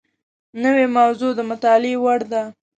نوې موضوع د مطالعې وړ ده